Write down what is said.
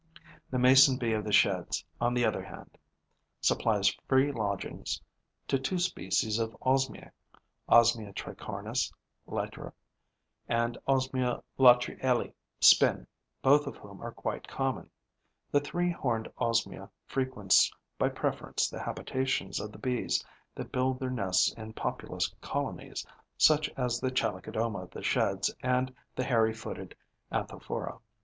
The Mason bee of the Sheds, on the other hand, supplies free lodgings to two species of Osmiae, Osmia tricornis, LATR., and Osmia Latreillii, SPIN., both of whom are quite common. The Three horned Osmia frequents by preference the habitations of the Bees that build their nests in populous colonies, such as the Chalicodoma of the Sheds and the Hairy footed Anthophora.